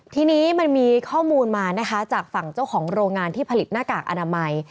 ทีนี้มันมีข้อมูลมานะคะจากฝั่งเจ้าของโรงงานที่ผลิตหน้ากากอนามัย